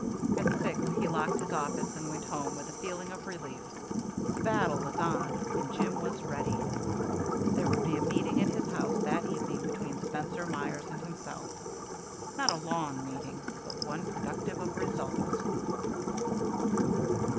At six he locked his office and went home with a feeling of relief. The battle was on, and Jim was ready. There would be a meeting at his house that evening between Spencer, Myers, and himself; not a long meeting, but one productive of results.